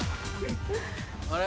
あれ？